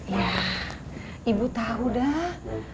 ya ibu tahu dah